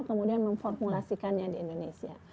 kemudian memformulasikannya di indonesia